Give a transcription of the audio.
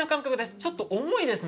ちょっと重いですね。